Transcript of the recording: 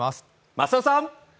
増田さん！